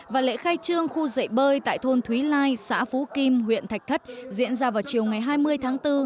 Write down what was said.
và lễ khai trương khu dậy bơi tại thôn thúy lai xã phú kim huyện thạch thất diễn ra vào chiều ngày hai mươi tháng bốn